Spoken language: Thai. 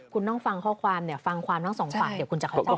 คุณต้องฟังข้อความเดี๋ยวฟังความทั้งสองฝั่งเดี๋ยวคุณจะเข้าใจ